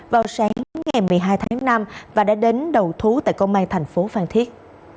vào sáng ngày một mươi hai tháng năm và đã đến đầu thú tại công an tp phan thiết